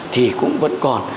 thì cũng vẫn còn